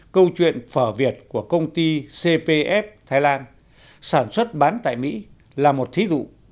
câu chuyện phở việt của công ty cpf thái lan sản xuất bán tại mỹ là một thí dụ